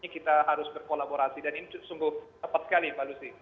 kita harus berkolaborasi dan ini sungguh tepat sekali pak lucy